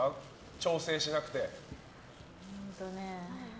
調整しなくて。